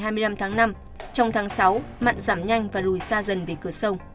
trong tháng sáu mặn giảm nhanh và rùi xa dần về cửa sông